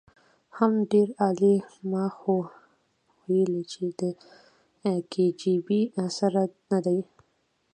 حم ډېر عالي ما خو ويلې چې د کي جي بي سره ندی.